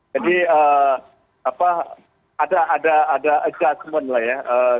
jadi ada adjustment lah ya